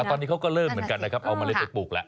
ตอนนี้เขาก็เริ่มเหมือนกันนะครับเอาเมล็ดไปปลูกแล้ว